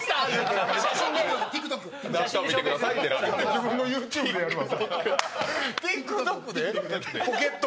自分のＹｏｕＴｕｂｅでやるわ。